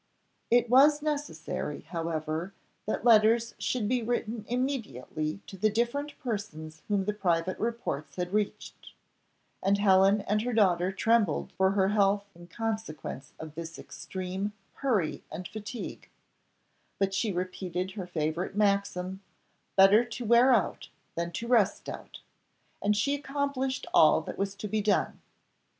It was necessary, however, that letters should be written immediately to the different persons whom the private reports had reached; and Helen and her daughter trembled for her health in consequence of this extreme hurry and fatigue, but she repeated her favourite maxim "Better to wear out, than to rust out" and she accomplished all that was to be done.